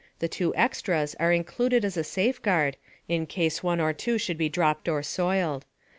The two extras are included as a safeguard in case one or two should be dropped or soiled.